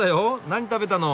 何食べたの？